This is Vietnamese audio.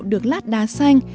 được lát đá xanh